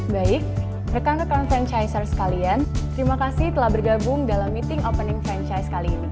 baik rekan rekan franchiser sekalian terima kasih telah bergabung dalam meeting opening franchise kali ini